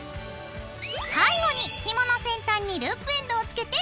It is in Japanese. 最後にひもの先端にループエンドをつけて。